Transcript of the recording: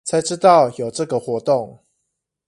才知道有這個活動